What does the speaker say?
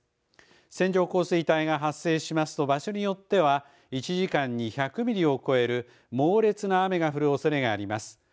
線状降水帯が発生しますと場所によっては１時間に１００ミリを超える猛烈な雨が降るおそれがあります。